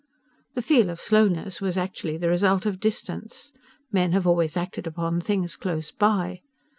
The feel of slowness was actually the result of distance. Men have always acted upon things close by.